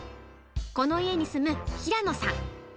この家に住む平野さん。